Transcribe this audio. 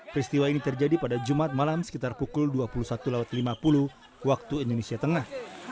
peristiwa ini terjadi pada jumat malam sekitar pukul dua puluh satu lima puluh waktu indonesia tengah